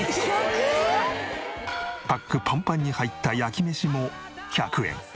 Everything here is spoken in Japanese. パックパンパンに入った焼き飯も１００円。